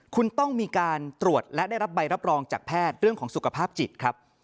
คุณต้องมีการตรวจและได้รับใบรับรองจากแพทย์เรื่องของสุขภาพจิตครับ